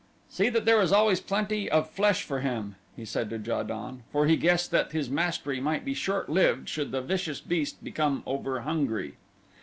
"See that there is always plenty of flesh for him," he said to Ja don, for he guessed that his mastery might be short lived should the vicious beast become over hungry.